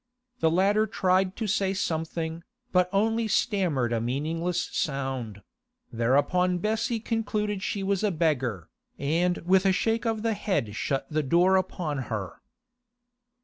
The latter tried to say something, but only stammered a meaningless sound; thereupon Bessie concluded she was a beggar, and with a shake of the head shut the door upon her.